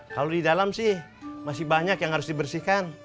kalau di dalam sih masih banyak yang harus dibersihkan